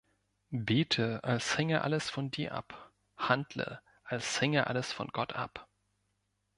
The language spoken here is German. Bete, als hinge alles von dir ab, handle, als hinge alles von Gott ab.